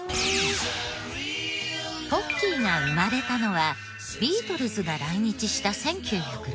ポッキーが生まれたのはビートルズが来日した１９６６年